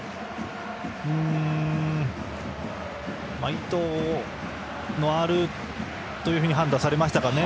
意図のあるというふうに判断されましたかね。